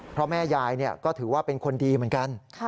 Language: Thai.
เพราะแม่ยายก็ถือว่าเป็นคนดีเหมือนกัน